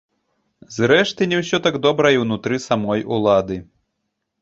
Зрэшты, не ўсё так добра і ўнутры самой улады.